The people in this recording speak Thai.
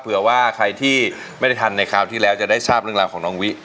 เผื่อว่าใครที่ไม่ได้ทันในคราวที่แล้วจะได้ทราบเรื่องราวของน้องวิ